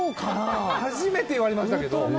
初めて言われましたけど。